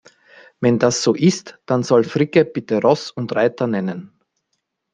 Wenn das so ist, dann soll Fricke bitte Ross und Reiter nennen.